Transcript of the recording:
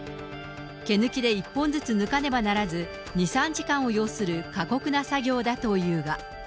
毛抜きで１本ずつ抜かねばならず、２、３時間を要する過酷な作業だというが。